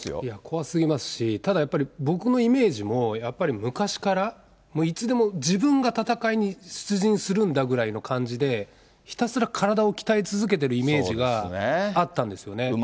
いや、怖すぎますし、ただやっぱり、僕のイメージも、やっぱり昔から、もういつでも自分が戦いに出陣するんだぐらいの感じで、ひたすら体を鍛え続けているイメージがあったんですよね。